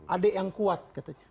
ade yang kuat katanya